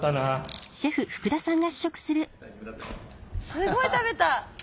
すごい食べた！